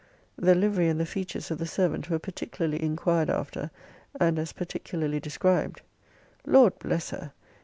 The livery and the features of the servant were particularly inquired after, and as particularly described Lord bless her!